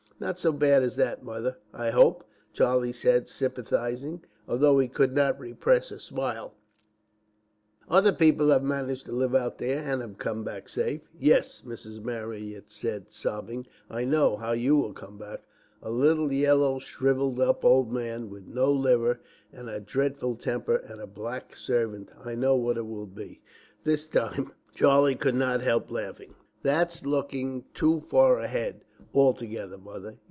"Not so bad as that, Mother, I hope," Charlie said sympathizingly, although he could not repress a smile; "other people have managed to live out there, and have come back safe." "Yes," Mrs. Marryat said, sobbing; "I know how you will come back. A little, yellow, shrivelled up old man with no liver, and a dreadful temper, and a black servant. I know what it will be." This time Charlie could not help laughing. "That's looking too far ahead altogether, Mother.